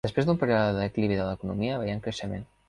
Després d'un període de declivi de l'economia, veiem creixement.